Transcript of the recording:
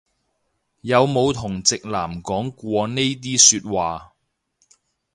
有冇同直男講過呢啲説話